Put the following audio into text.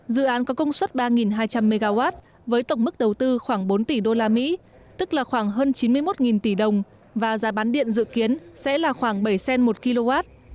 dự án có công suất ba hai trăm linh mw với tổng mức đầu tư khoảng bốn tỷ usd tức là khoảng hơn chín mươi một tỷ đồng và giá bán điện dự kiến sẽ là khoảng bảy cent một kw